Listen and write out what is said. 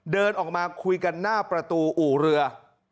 เดินออกมาคุยกันหน้าประตูอู่เรือ